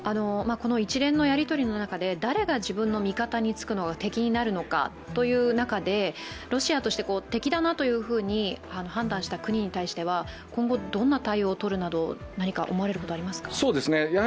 一連のやりとりの中で、誰が自分の味方につくるのか、敵になるのかという中でロシアとして敵だなというふうに判断した国に対しては今後、どんな対応をとるなど思われることはありますか？